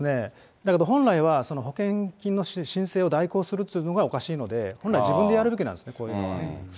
だけど本来は、その保険金の申請を代行するというのがおかしいので、本来、自分でやるべきなんですよね、こういうのは。